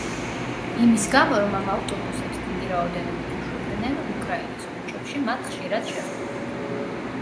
იმის გამო, რომ ამ ავტობუსებს დიდი რაოდენობით უშვებდნენ, უკრაინის ქუჩებში მათ ხშირად შეხვდებით.